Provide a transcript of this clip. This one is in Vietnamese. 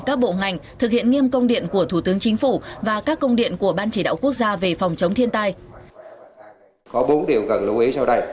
các bộ ngành thực hiện nghiêm công điện của thủ tướng chính phủ và các công điện của ban chỉ đạo quốc gia về phòng chống thiên tai